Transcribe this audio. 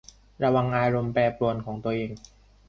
ระวังอารมณ์แปรปรวนของตัวเอง